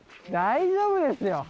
大丈夫ですよ。